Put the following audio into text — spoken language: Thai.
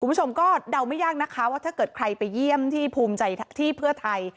คุณผู้ชมก็เดาไม่ยากนะคะว่าถ้าเกิดใครไปเยี่ยมที่ภูมิใจที่เพื่อไทย